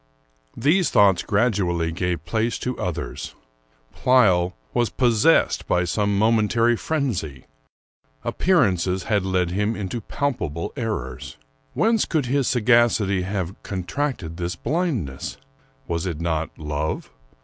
These thoughts gradually gave place to others. Pleyel was possessed by some momentary frenzy; appearances had led him into palpable errors. Whence could his sagacity have contracted this blindness? Was it not love?